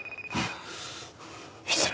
失礼。